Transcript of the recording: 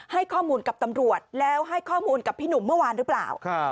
ให้ข้อมูลกับตำรวจแล้วให้ข้อมูลกับพี่หนุ่มเมื่อวานหรือเปล่า